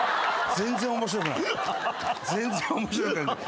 全然面白くない。